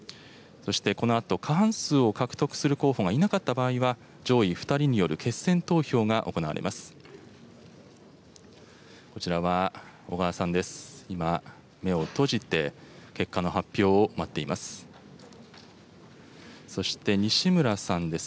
そしてこのあと過半数を獲得する候補がいなかった場合は、上位２人による決選投票が行われます。